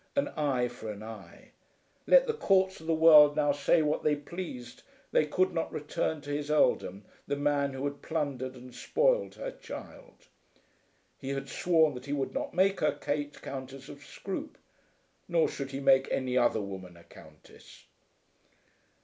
An eye for an eye! Let the Courts of the world now say what they pleased, they could not return to his earldom the man who had plundered and spoiled her child. He had sworn that he would not make her Kate Countess of Scroope! Nor should he make any other woman a Countess!